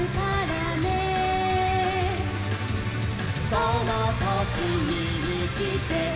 「そのときみにきてね」